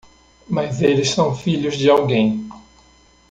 Mas eles são filhos de alguém.